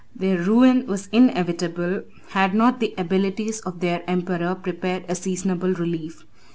Their ruin was inevitable, had not the abilities of their emperor prepared a seasonable relief.